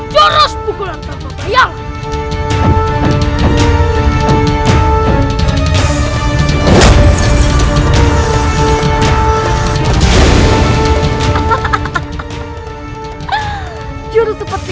jurus seperti itu kau paham